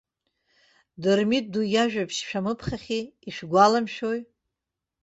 Дырмит ду иажәабжь шәамыԥхьахьеи, ишәгәаламшәои?